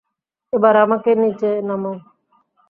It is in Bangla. এবার আমাকে নিচে নামাও!